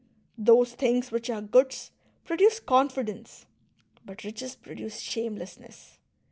Those things which are goods produce confidence, but riches produce shamelessness.